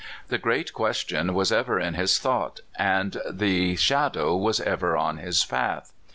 The Great Question was ever in his thought, and the shadow was ever on his path.